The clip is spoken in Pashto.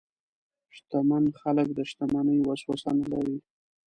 شتمن خلک د شتمنۍ وسوسه نه لري.